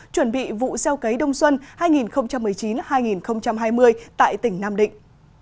chuẩn bị vụ gieo cấy đông xuân hai nghìn một mươi chín hai nghìn hai mươi tại tỉnh nam định